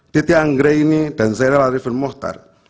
diti anggreni dan zaira larifin muhtar